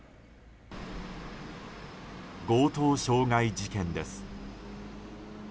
強盗傷害事件です。